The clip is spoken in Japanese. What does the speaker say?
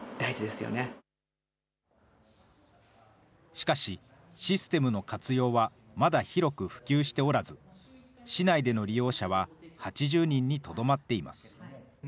しかし、システムの活用はまだ広く普及しておらず、市内での利用者は８０人にとどまっています。